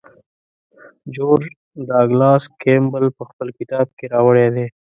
جورج ډاګلاس کیمبل په خپل کتاب کې راوړی دی.